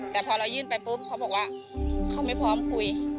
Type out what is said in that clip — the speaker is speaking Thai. แต่พอเรายื่นไปปุ๊บเขาบอกว่าเขาไม่พร้อมคุย